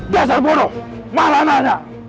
dasar bodoh malahan aja